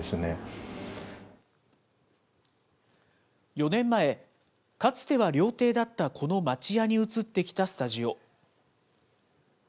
４年前、かつては料亭だったこの町家に移ってきたスタジオ。